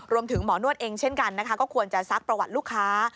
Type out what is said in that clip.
หมอนวดเองเช่นกันนะคะก็ควรจะซักประวัติลูกค้า